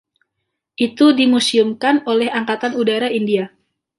Itu dimuseumkan oleh Angkatan Udara India.